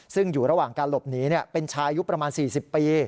ซึ่งอยู่ระหว่างการหลบหนีเป็นชายุคประมาณ๔๐ปี